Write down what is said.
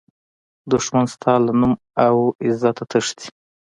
دښمن ستا له نوم او عزته تښتي